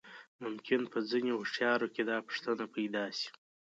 ممکن په ځينې هوښيارو کې دا پوښتنه پيدا شي.